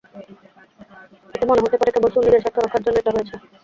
এতে মনে হতে পারে কেবল সুন্নিদের স্বার্থ রক্ষার জন্য এটা হয়েছে।